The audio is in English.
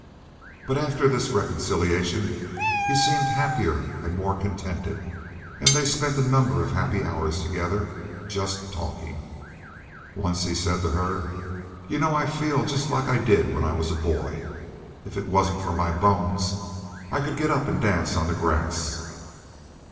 But after this reconciliation he seemed happier and more contented, and they spent a number of happy hours together, just talking. Once he said to her, "You know I feel just like I did when I was a boy. If it wasn't for my bones I could get up and dance on the grass."